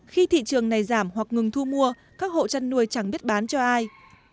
khi thị trường này giảm hoặc ngừng thu mua các hộ chăn nuôi chẳng biết bán cho ai